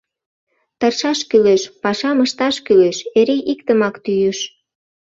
— Тыршаш кӱлеш, пашам ышташ кӱлеш, — эре иктымак тӱйыш.